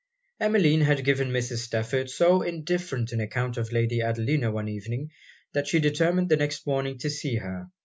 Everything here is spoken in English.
Emmeline had given Mrs. Stafford so indifferent an account of Lady Adelina one evening, that she determined the next morning to see her.